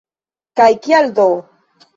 Kaj kial do?